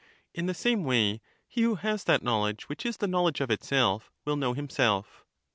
In the same way he who has that knowledge which is the knowl edge of itself, will know himself.